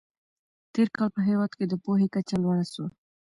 تېر کال په هېواد کې د پوهې کچه لوړه سوه.